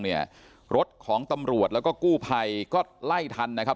เนี่ยรถของตำรวจแล้วก็กู้ภัยก็ไล่ทันนะครับ